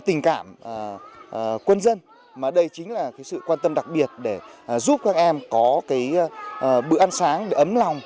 tình cảm quân dân mà đây chính là sự quan tâm đặc biệt để giúp các em có bữa ăn sáng ấm lòng